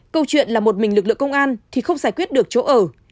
câu chuyện là một mình lực lượng công an thì không giải quyết được chỗ ở